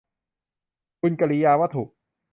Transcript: บุญกิริยาวัตถุ